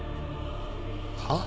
はっ？